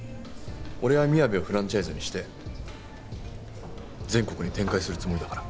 俺はみやべをフランチャイズにして全国に展開するつもりだから。